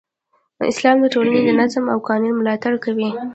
اسلام د ټولنې د نظم او قانون ملاتړ کوي.